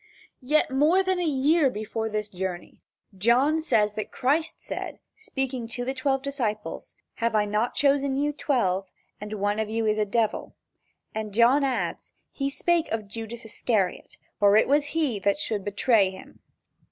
Yet, more than a year before this journey, John says that Christ said, speaking to the twelve disciples: "Have not I chosen you twelve, and one of you is a devil." And John adds: "He spake of Judas Iscariot, for it was he that should betray him."